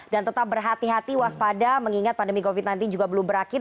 dan tetap berhati hati waspada mengingat pandemi covid sembilan belas juga belum berakhir